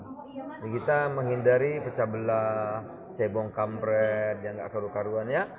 jadi kita menghindari pecah belah cebong kampret yang gak karu karuan ya